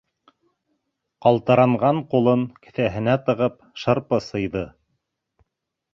Ҡалтыранған ҡулын кеҫәһенә тығып, шырпы сыйҙы: